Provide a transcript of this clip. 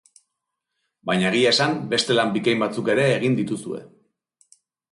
Baina egia esan, beste lan bikain batzuk ere egin dituzue.